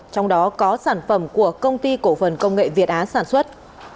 trong đó có sản phẩm của công ty cổ phần công nghệ việt á sản xuất